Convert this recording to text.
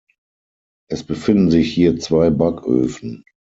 Es befinden sich hier zwei Backöfen.